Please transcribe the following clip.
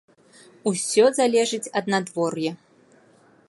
Усё залежыць ад надвор'я.